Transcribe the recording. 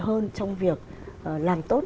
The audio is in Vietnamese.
hơn trong việc làm tốt